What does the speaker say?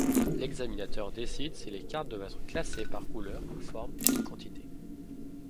L'examinateur décide si les cartes doivent être classées par couleur, forme ou quantité.